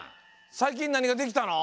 最近なにができたの？